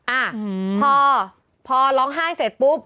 อ่ะพอพอร้องไห้เสร็จปุ๊บ